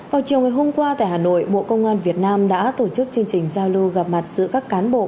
vào chiều ngày hôm qua tại hà nội bộ công an việt nam đã tổ chức chương trình giao lưu gặp mặt giữa các cán bộ